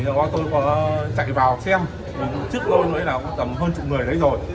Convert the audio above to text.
thì tôi có chạy vào xem trước tôi mới là tầm hơn chục người đấy rồi